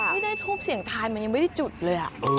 ไม่ได้ทูปเสียงทายมันยังไม่ได้จุดเลย